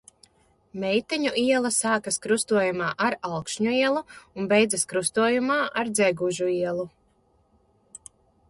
Milteņu iela sākas krustojumā ar Alkšņu ielu un beidzas krustojumā ar Dzegužu ielu.